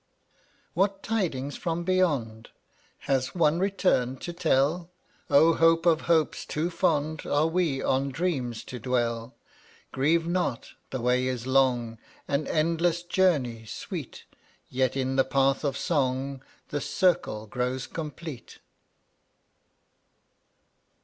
160 What tidings from beyond? Has one returned to tell? Oh, hope of hopes, too fond Are we on dreams to dwell. Grieve not; the way is long, An endless journey, Sweet, Yet in the Path of Song The circle grows complete.